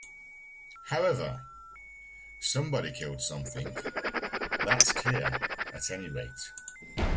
However, somebody killed something: that's clear, at any rate.